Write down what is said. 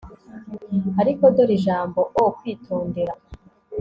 ariko dore ijambo o 'kwitondera